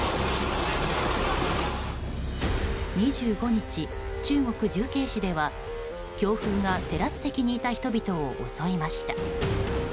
２５日、中国・重慶市では強風がテラス席にいた人々を襲いました。